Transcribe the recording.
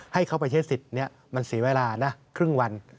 ให้เขาไปใช้สิทธิ์มันเสียเวลานะครึ่งวัน